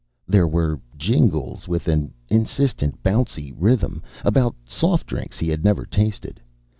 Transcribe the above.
There were jingles with an insistent, bouncy rhythm, about soft drinks he had never tasted.